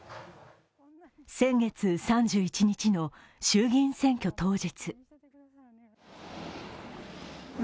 先月３１日の衆議院選挙当日。